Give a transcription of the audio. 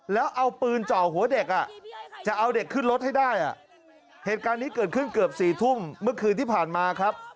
แล้วเอาปืนเจาะหัวเด็กจะเอาเด็กขึ้นรถให้ได้เหตุการณ์นี้เกิดขึ้นเกือบ๔ทุ่มเมื่อคืนที่ผ่านมาครับ